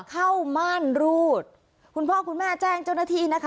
ม่านรูดคุณพ่อคุณแม่แจ้งเจ้าหน้าที่นะคะ